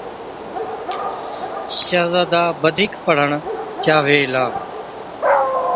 شهزادا بڌِيڪ بِڙهڻ چاوي هِلا۔